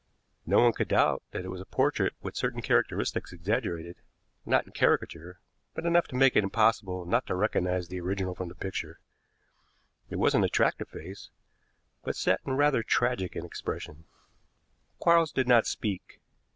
No one could doubt that it was a portrait with certain characteristics exaggerated, not into caricature, but enough to make it impossible not to recognize the original from the picture. It was an attractive face, but set and rather tragic in expression. Quarles did not speak.